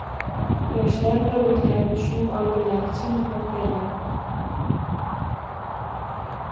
Yoshlar bir-birlarini tushunib olgunlaricha muhlat beriladi.